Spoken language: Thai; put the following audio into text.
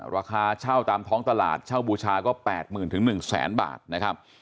ราคาเช่าตามท้องตลาดเช่าบูชาก็๘๐๐๐๑๐๐๐บาทนะครับ